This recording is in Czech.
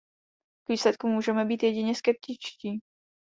K výsledkům můžeme být jedině skeptičtí.